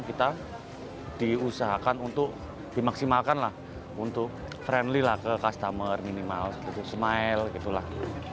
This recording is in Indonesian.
kita diusahakan untuk dimaksimalkan lah untuk friendly lah ke customer minimal untuk smile gitu lah